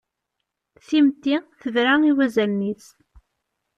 Timetti tebra i wazalen-is.